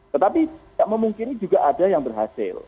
tetapi tidak memungkiri juga ada yang berhasil